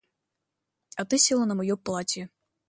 А ты села на мое платье!